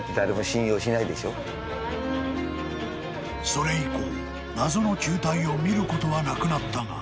［それ以降謎の球体を見ることはなくなったが］